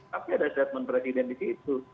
tapi ada statement presiden di situ